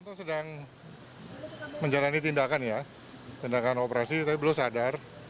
kita sedang menjalani tindakan ya tindakan operasi tapi belum sadar